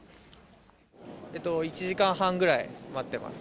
１時間半ぐらい待ってます。